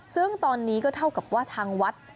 ซึ่งตอนนี้ก็เท่ากับว่าทางวัด